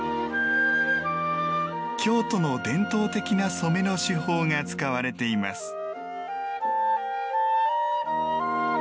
京都の、伝統的な染めの手法が使われています。